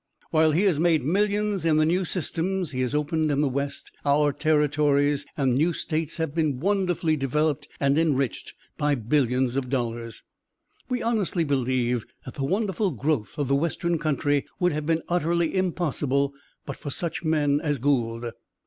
While he has made millions in the new systems he has opened in the West, our territories and new States have been wonderfully developed and enriched billions of dollars. We honestly believe that the wonderful growth of the Western country would have been utterly impossible but for such men as Gould.